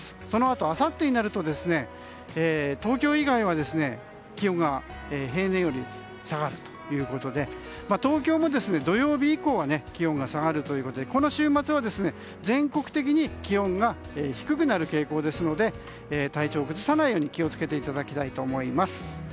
そのあと、あさってになると東京以外は気温が平年より下がるということで東京も土曜日以降は気温が下がるということでこの週末は全国的に気温が低くなる傾向ですので体調を崩さないよう気を付けていただきたいと思います。